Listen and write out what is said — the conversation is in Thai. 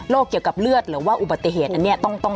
เกี่ยวกับเลือดหรือว่าอุบัติเหตุอันนี้ต้อง